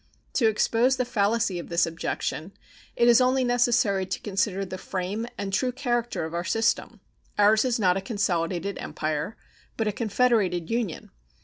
To expose the fallacy of this objection it is only necessary to consider the frame and true character of our system. Ours is not a consolidated empire, but a confederated union.